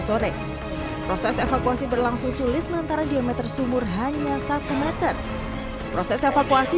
sore proses evakuasi berlangsung sulit lantaran diameter sumur hanya satu meter proses evakuasi